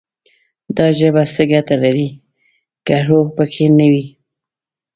دا ژبه څه ګټه لري، که روح پکې نه وي»